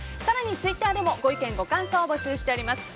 ツイッターでもご意見、ご感想を募集しております。